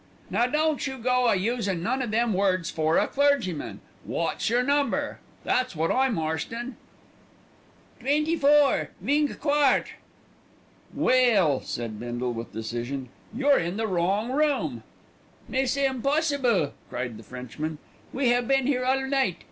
"Now don't you go a using none of them words 'fore a clergyman. Wot's yer number? that's wot I'm arstin'." "Twenty four vingt quatre." "Well," said Bindle with decision, "you're in the wrong room." "Mais c'est impossible," cried the Frenchman. "We have been here all night.